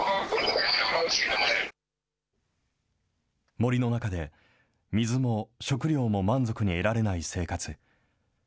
森の中で、水も食料も満足に得られない生活。